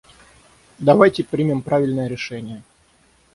Давайте примем правильное решение.